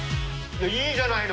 いいじゃないの。